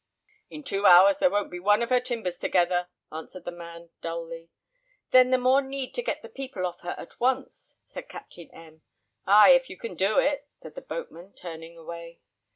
"In two hours there won't be one of her timbers together," answered the man, dully. "Then the more need to get the people off her at once," said Captain M . "Ay, if you can do it," said the boatman, turning away.